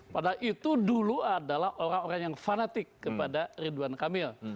padahal itu dulu adalah orang orang yang fanatik kepada ridwan kamil